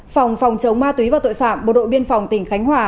phòng phòng chống ma túy và tội phạm bộ đội biên phòng tỉnh khánh hòa